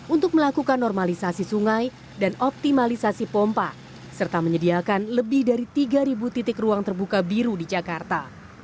untuk melakukan normalisasi sungai dan optimalisasi pompa serta menyediakan lebih dari tiga titik ruang terbuka biru di jakarta